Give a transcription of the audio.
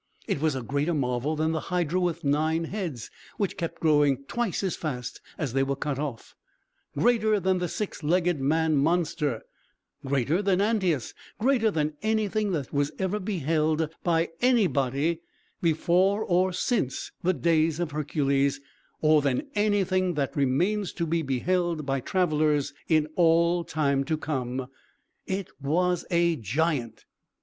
It was a greater marvel than the hydra with nine heads, which kept growing twice as fast as they were cut off; greater than the six legged man monster; greater than Antæus; greater than anything that was ever beheld by anybody, before or since the days of Hercules, or than anything that remains to be beheld by travellers in all time to come. It was a giant!